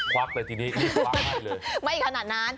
ควับไปทีนี้ที่ฝาให้เลยไม่ขนาดนาน